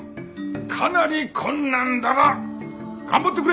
かなり困難だが頑張ってくれ！